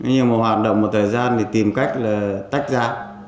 nhưng mà hoạt động một thời gian thì tìm cách là tách ra